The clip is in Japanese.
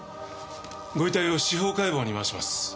ご遺体を司法解剖に回します。